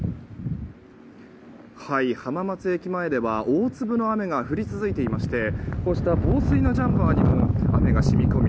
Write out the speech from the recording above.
浜松駅前では大粒の雨が降り続いていましてこうした防水のジャンパーにも雨が染み込み